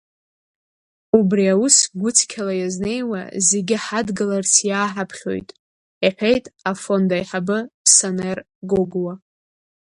Убри аус гәыцқьала иазнеиуа зегьы ҳадгыларц иааҳаԥхьоит, — иҳәеит Афонд аиҳабы Сонер Гогәуа.